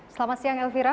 selamat siang elvira